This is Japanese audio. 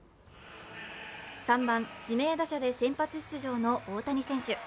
３番・指名打者で先発出場の大谷選手。